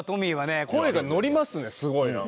声がのりますねすごい。